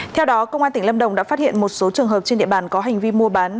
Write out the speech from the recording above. theo đó công an tỉnh lâm đồng đã phát hiện một số trường hợp trên địa bàn có hành vi mua bán